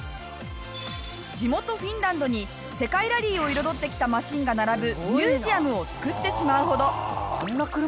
地元フィンランドに世界ラリーを彩ってきたマシンが並ぶミュージアムを造ってしまうほど。